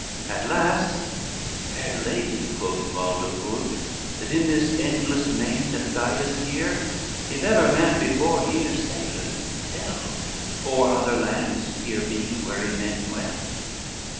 "At last, fair lady," quoth Ubaldo good, "That in this endless main dost guide us here, If ever man before here sailed tell, Or other lands here be wherein men dwell."